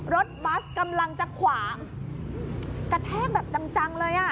รถบัสกำลังจะขวางกระแทกแบบจังจังเลยอ่ะ